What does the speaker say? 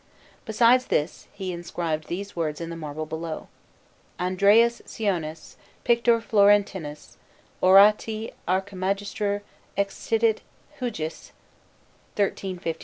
Besides this, he inscribed these words in the marble below: ANDREAS CIONIS, PICTOR FLORENTINUS, ORATORII ARCHIMAGISTER EXTITIT HUJUS, MCCCLIX.